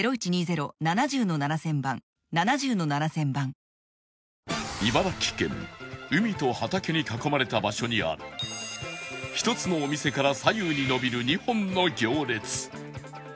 明治おいしい牛乳茨城県海と畑に囲まれた場所にある１つのお店から左右に伸びる２本の行列